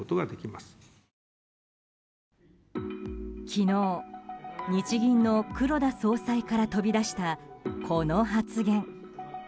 昨日、日銀の黒田総裁から飛び出したこの発言。